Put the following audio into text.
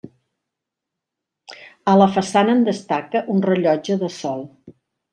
A la façana en destaca un rellotge de sol.